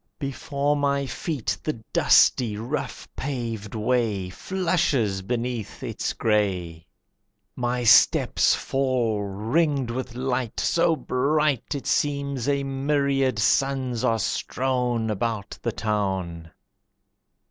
Before my feet the dusty, rough paved way Flushes beneath its gray. My steps fall ringed with light, So bright, It seems a myriad suns are strown About the town.